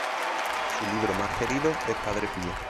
Su libro más querido es "Padre Pío.